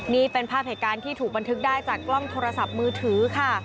นี่เป็นภาพเหตุการณ์ที่ถูกบันทึกได้จากกล้องโทรศัพท์มือถือค่ะ